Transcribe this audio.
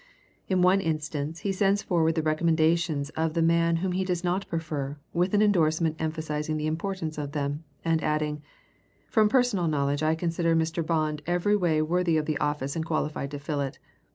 In one instance he sends forward the recommendations of the man whom he does not prefer, with an indorsement emphasizing the importance of them, and adding: "From personal knowledge I consider Mr. Bond every way worthy of the office and qualified to fill it.